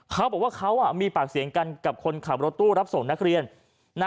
เขาบอกว่าเขามีปากเสียงกันกับคนขับรถตู้รับส่งนักเรียน